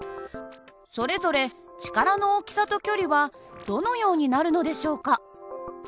それぞれ力の大きさと距離はどのようになるのでしょうか。